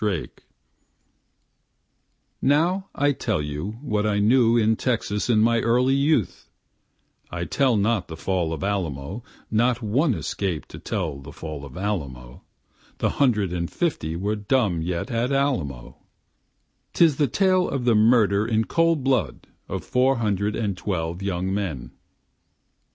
34 Now I tell what I knew in Texas in my early youth, (I tell not the fall of Alamo, Not one escaped to tell the fall of Alamo, The hundred and fifty are dumb yet at Alamo,) 'Tis the tale of the murder in cold blood of four hundred and twelve young men.